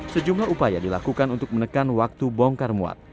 sejumlah upaya dilakukan untuk menekan waktu bongkar muat